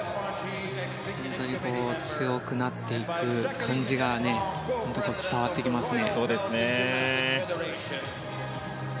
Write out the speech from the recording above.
強くなっていく感じが伝わってきますね。